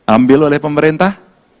ambil oleh pemerintah